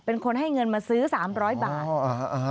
เป็นคนให้เงินมาซื้อ๓๐๐บาท